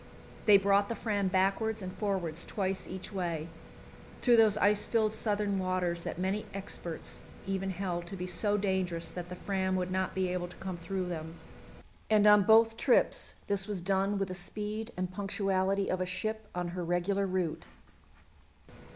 They brought the Fram backwards and forwards, twice each way, through those ice filled southern waters that many experts even held to be so dangerous that the Fram would not be able to come through them, and on both trips this was done with the speed and punctuality of a ship on her regular route.